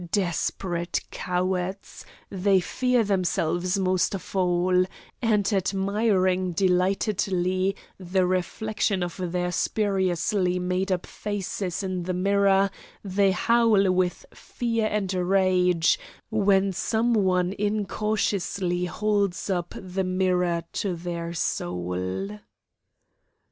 Desperate cowards, they fear themselves most of all, and admiring delightedly the reflection of their spuriously made up faces in the mirror, they howl with fear and rage when some one incautiously holds up the mirror to their soul.